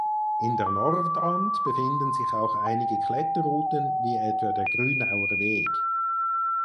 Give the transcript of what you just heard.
In der Nordwand befinden sich auch einige Kletterrouten wie etwa der Grünauer Weg.